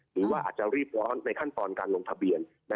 หรือว่าอาจจะรีบร้อนในขั้นตอนการลงทะเบียน